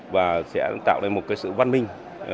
và sẽ tạo ra một cái sự văn minh